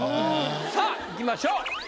さあいきましょう。